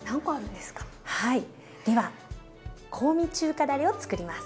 はいでは香味中華だれをつくります。